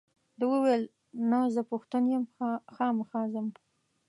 ده وویل نه زه پښتون یم خامخا ځم.